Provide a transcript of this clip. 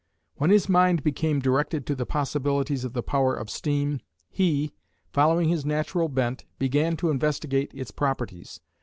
When his mind became directed to the possibilities of the power of steam, he, following his natural bent, began to investigate its properties.